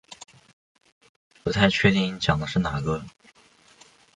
不太确定你讲的是哪个